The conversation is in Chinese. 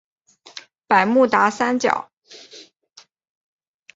百慕达三角。